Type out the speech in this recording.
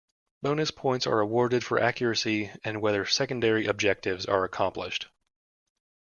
Bonus points are awarded for accuracy and whether secondary objectives are accomplished.